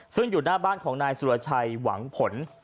ซึ่งอยู่หน้าบ้านของนายสุรชัยหวังผล